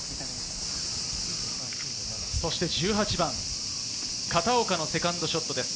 １８番、片岡のセカンドショットです。